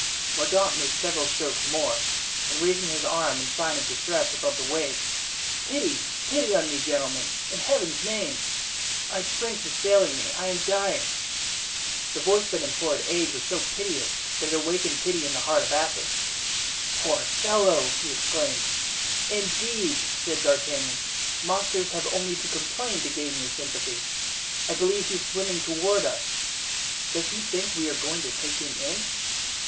Mordaunt made several strokes more, and raising his arm in sign of distress above the waves: "Pity, pity on me, gentlemen, in Heaven's name! my strength is failing me; I am dying." The voice that implored aid was so piteous that it awakened pity in the heart of Athos. "Poor fellow!" he exclaimed. "Indeed!" said D'Artagnan, "monsters have only to complain to gain your sympathy. I believe he's swimming toward us. Does he think we are going to take him in?